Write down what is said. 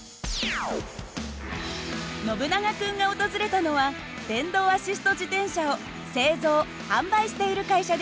ノブナガ君が訪れたのは電動アシスト自転車を製造販売している会社です。